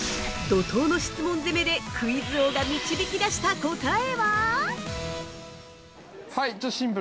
◆怒涛の質問攻めでクイズ王が導き出した答えは？